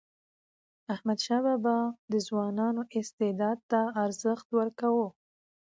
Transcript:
احمدشاه بابا د ځوانانو استعداد ته ارزښت ورکاوه.